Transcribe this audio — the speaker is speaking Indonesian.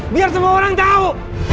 biar semua orang tau